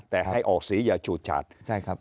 แต่ให้ออกสีอย่าฉูดฉาดใช่ครับ